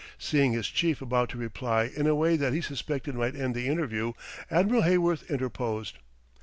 Seeing his Chief about to reply in a way that he suspected might end the interview, Admiral Heyworth interposed.